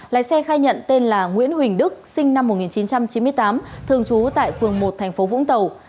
lái xe khai nhận tên là nguyễn huỳnh đức sinh năm một nghìn chín trăm chín mươi tám thường trú tại phường một thành phố vũng tàu